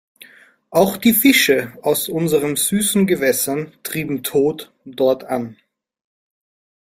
Auch die Fische aus unsern süßen Gewässern trieben tot dort an.